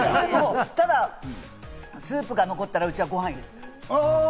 ただスープが残ったら、うちはご飯を入れる。